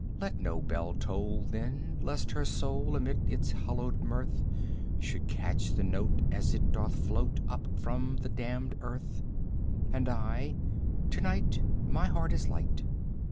Let no bell toll, then, lest her soul, amid its hallowed mirth, Should catch the note as it doth float up from the damnéd Earth! And I! to night my heart is light!